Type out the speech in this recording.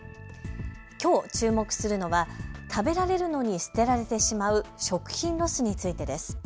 きょう注目するのは食べられるのに捨てられてしまう食品ロスについてです。